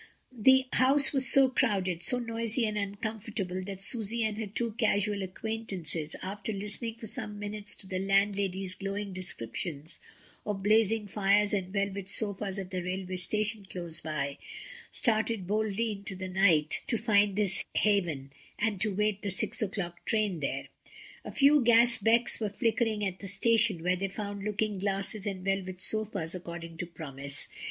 The house was so crowded, so noisy and un comfortable, that Susy and her two casual acquaint ances, after listening for some minutes to the land lady's glowing descriptions of blazing fires and velvet sofas at the railway station close by, started boldly into the night to find this haven, and to await the six o'clock train there. A few gas becks were flickering at the station, where they found looking glasses and velvet sofas according to promise.